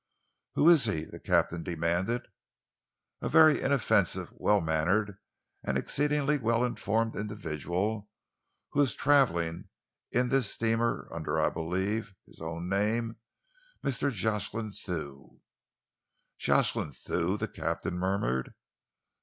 "Who is he?" the captain demanded. "A very inoffensive, well mannered and exceedingly well informed individual who is travelling in this steamer under, I believe, his own name Mr. Jocelyn Thew." "Jocelyn Thew!" the captain murmured.